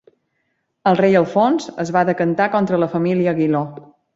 El rei Alfons es va decantar contra la família Aguiló.